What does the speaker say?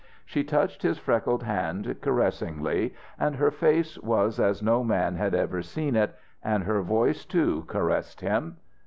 She touched his freckled hand caressingly, and her face was as no man had ever seen it, and her voice, too, caressed him.